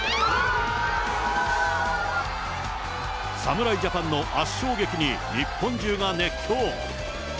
侍ジャパンの圧勝劇に日本中が熱狂。